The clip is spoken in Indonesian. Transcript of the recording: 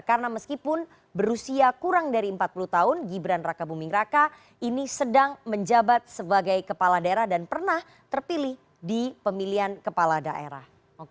karena meskipun berusia kurang dari empat puluh tahun gibran raka bumingrapka ini sedang menjabat sebagai kepala daerah dan pernah terpilih di pemilihan kepala daerah